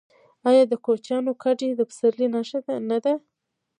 آیا د کوچیانو کډې د پسرلي نښه نه ده؟